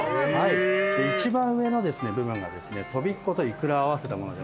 一番上の部分がですねとびっことイクラを合わせたもの。